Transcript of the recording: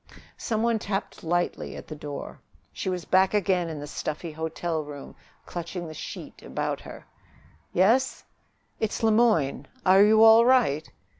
Some one tapped lightly at the door. She was back again in the stuffy hotel room, clutching the sheet about her. "Yes?" "It's Le Moyne. Are you all right?"